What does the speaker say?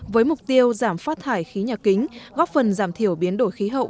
với mục tiêu giảm phát thải khí nhà kính góp phần giảm thiểu biến đổi khí hậu